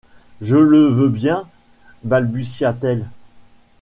Je le veux bien, balbutia-t-elle.